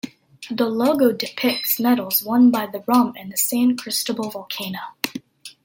The logo depicts medals won by the rum and the San Cristobal Volcano.